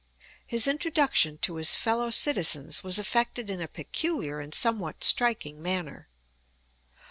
His introduction to his fellow citizens was effected in a peculiar and somewhat striking manner.